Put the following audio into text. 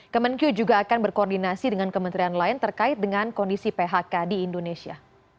kemenkyu juga akan berkoordinasi dengan kementerian lain terkait dengan kondisi phk di indonesia